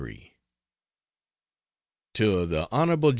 TO THE HON.